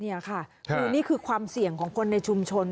นี่ค่ะคือนี่คือความเสี่ยงของคนในชุมชน